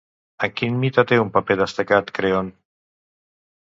En quin mite té un paper destacat Creont?